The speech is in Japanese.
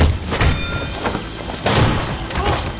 あっ！